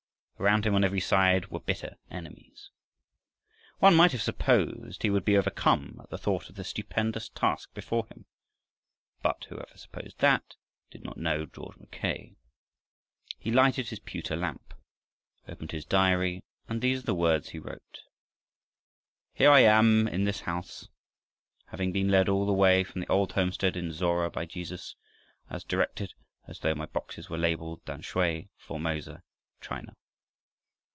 Around him on every side were bitter enemies. One might have supposed he would be overcome at the thought of the stupendous task before him, but whoever supposed that did not know George Mackay. He lighted his pewter lamp, opened his diary, and these are the words he wrote: "Here I am in this house, having been led all the way from the old homestead in Zorra by Jesus, as direct as though my boxes were labeled, `Tamsui, Formosa, China.'